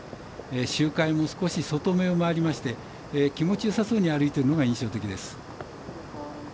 周回も少し外めを回りまして気持ちよさそうに歩いているのが印象的です。